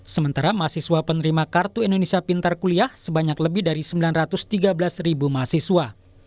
sementara mahasiswa penerima kartu indonesia pintar kuliah sebanyak lebih dari sembilan ratus tiga belas ribu mahasiswa